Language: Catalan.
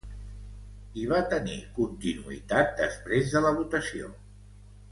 I va tenir continuïtat després de la votació.